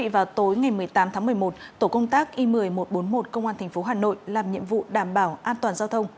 vào tối ngày một mươi tám tháng một mươi một tổ công tác i một mươi một trăm bốn mươi một công an tp hà nội làm nhiệm vụ đảm bảo an toàn giao thông